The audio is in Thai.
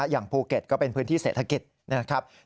อย่างภูเก็ตก็เป็นพื้นที่เศรษฐกิจนะครับ